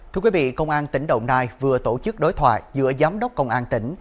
thưa quý vị công an tỉnh đồng nai vừa tổ chức đối thoại giữa giám đốc công an tỉnh